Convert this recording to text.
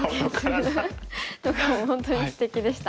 本当にすてきでした。